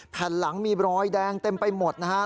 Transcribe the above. ผ่านหลังมีรอยแดงเต็มไปหมดนะฮะ